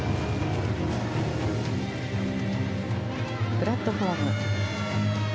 プラットフォーム。